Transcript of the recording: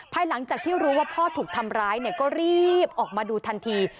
หลังจากที่รู้ว่าพ่อถูกทำร้ายก็รีบออกมาดูทันที